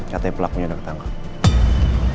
katanya pelakunya udah ketangkap